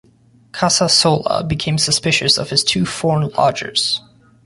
Casasola became suspicious of his two foreign lodgers.